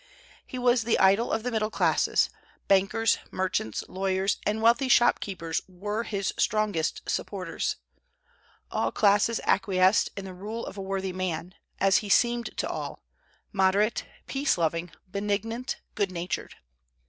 He was the idol of the middle class; bankers, merchants, lawyers, and wealthy shopkeepers were his strongest supporters. All classes acquiesced in the rule of a worthy man, as he seemed to all, moderate, peace loving, benignant, good natured.